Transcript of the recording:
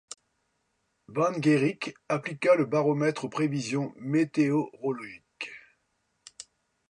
Von Guericke appliqua le baromètre aux prévisions météorologiques.